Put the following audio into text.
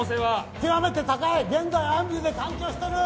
極めて高い現在アンビューで換気をしとる！